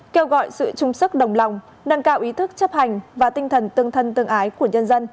kêu gọi sự chung sức đồng lòng nâng cao ý thức chấp hành và tinh thần tương thân tương ái của nhân dân để chống dịch thành công